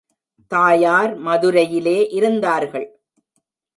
தாயார் மதுரையிலே இருந்தார்கள்.